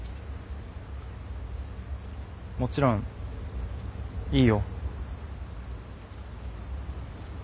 もちろんいいよ。